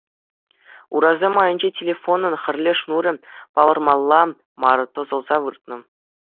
Урасем айӗнче телефонӑн хӗрлӗ шнурӗ палӑрмалла мар тӑсӑлса выртнӑ.